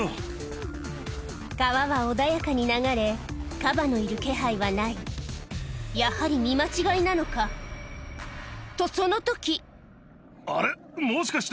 川は穏やかに流れカバのいる気配はないやはり見間違いなのか？とその時！あれ？